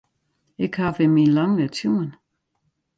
Ik haw him yn lang net sjoen.